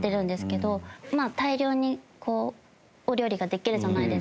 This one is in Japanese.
まあ大量にこうお料理ができるじゃないですか。